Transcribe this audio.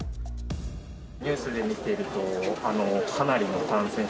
ニュースで見てると、かなりの感染者。